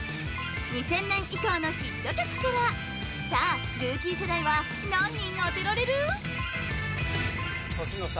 ２０００年以降のヒット曲からさあルーキー世代は何人当てられる？年の差！